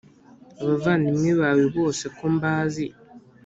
abavandimwe bawe bose ko mbazi